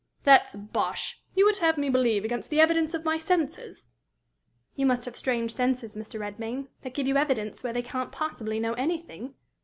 "That's bosh. You would have me believe against the evidence of my senses!" "You must have strange senses, Mr. Redmain, that give you evidence where they can't possibly know anything!